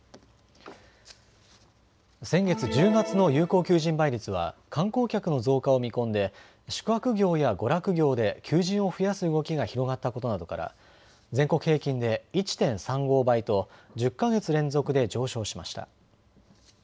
先月１０月の有効求人倍率は観光客の増加を見込んで宿泊業や娯楽業で求人を増やす動きが広がったことなどから全国平均で１．３５倍と１０か月連続で上昇しました。